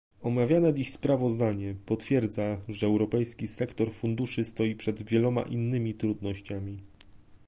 Omawiane dziś sprawozdanie potwierdza, że europejski sektor funduszy stoi przed wieloma innymi trudnościami